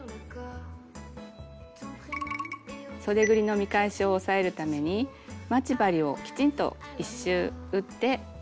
そでぐりの見返しを押さえるために待ち針をきちんと一周打って縫って下さい。